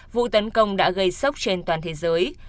vụ tấn công đã gây sốc trên toàn thế giới